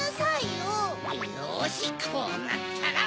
よしこうなったら！